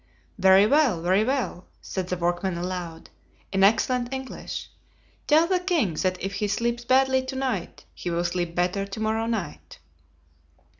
"Very well, very well," said the workman aloud, in excellent English. "Tell the king that if he sleeps badly to night he will sleep better to morrow night."